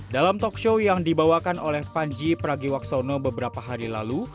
dalam talk show yang dibawakan oleh panji pragiwaksono beberapa hari lalu